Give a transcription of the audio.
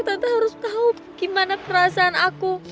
tante harus tahu gimana perasaan aku